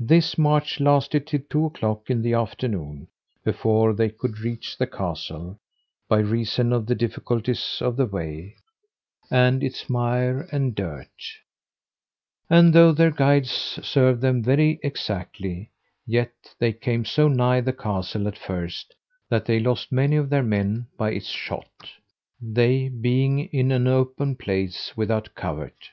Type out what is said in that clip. This march lasted till two of the clock in the afternoon, before they could reach the castle, by reason of the difficulties of the way, and its mire and dirt; and though their guides served them very exactly, yet they came so nigh the castle at first, that they lost many of their men by its shot, they being in an open place without covert.